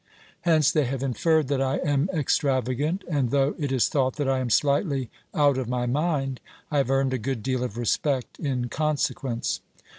Hence they have inferred that I am extravagant, and though it is thought that I am slightly out of my mind, I have earned a good deal of respect in consequence.